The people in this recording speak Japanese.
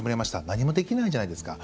何もできないじゃないですか。